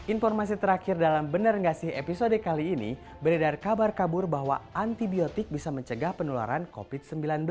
informasi terakhir dalam benar nggak sih episode kali ini beredar kabar kabur bahwa antibiotik bisa mencegah penularan covid sembilan belas